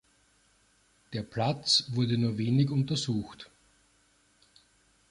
Der Platz wurde nur wenig untersucht.